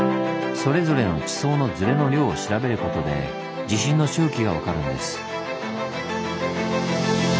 それぞれの地層のズレの量を調べることで地震の周期が分かるんです。